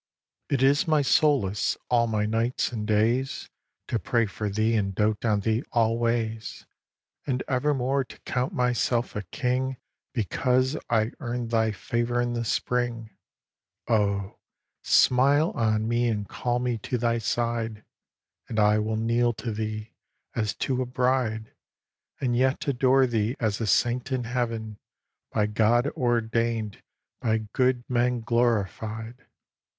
v. It is my solace, all my nights and days, To pray for thee and dote on thee always, And evermore to count myself a king Because I earn'd thy favour in the spring. Oh, smile on me and call me to thy side, And I will kneel to thee, as to a bride, And yet adore thee as a saint in Heaven By God ordained, by good men glorified! vi.